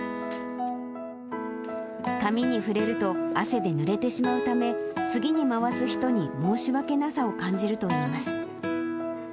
紙に触れると、汗でぬれてしまうため、次に回す人に申し訳なさを感じるといいます。